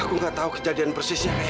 aku gak tahu kejadian persisnya kayak apa